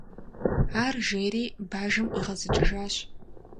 - Ар жери, бажэм ӏуигъэзыкӏыжащ.